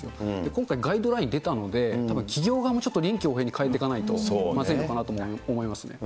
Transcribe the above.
今回ガイドライン出たので、たぶん企業側もちょっと臨機応変に変えていかないとまずいのかなとも思いますね。